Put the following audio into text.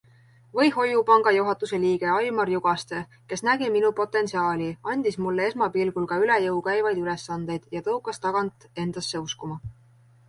Või Hoiupanga juhatuse liige Aimar Jugaste, kes nägi minu potentsiaali, andis mulle esmapilgul ka üle jõu käivaid ülesandeid ja tõukas tagant endasse uskuma.